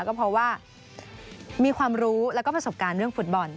ก็เพราะว่ามีความรู้แล้วก็ประสบการณ์เรื่องฟุตบอล